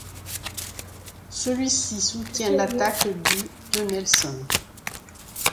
Celui-ci soutient l'attaque du de Nelson.